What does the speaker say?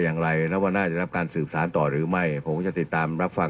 นั่นแหละครับ